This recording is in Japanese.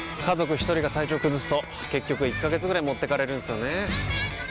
一人が体調崩すと結局１ヶ月ぐらい持ってかれるんすよねー。